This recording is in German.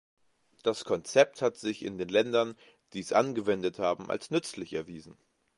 Das Konzept hat sich in den Ländern, die es angewendet haben, als nützlich erwiesen.